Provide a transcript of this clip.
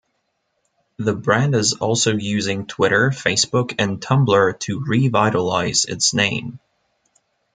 The brand is also using Twitter, Facebook, and Tumblr to revitalize its name.